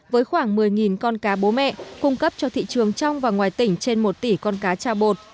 với khoảng một mươi con cá bố mẹ cung cấp cho thị trường trong và ngoài tỉnh trên một tỷ con cá cha bột